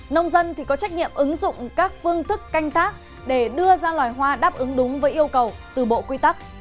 nông dân thì có trách nhiệm ứng dụng các phương thức canh tác để đưa ra loài hoa đáp ứng đúng với yêu cầu từ bộ quy tắc